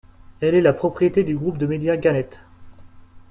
Elle est la propriété du groupe de médias Gannett.